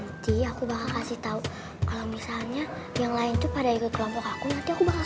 oke aku bakal kasih tau kalau misalnya yang lain itu pada ikut kelompok aku nanti aku bakal